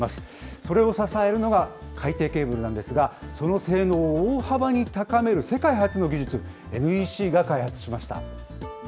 それを支えるのが、海底ケーブルなんですが、その性能を大幅に高める世界初の技術、ＮＥＣが開発しました。